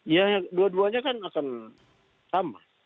ya dua duanya kan akan sama